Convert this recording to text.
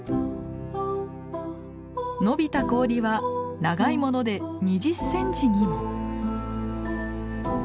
伸びた氷は長いもので２０センチにも。